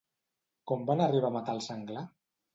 Com van arribar a matar al senglar?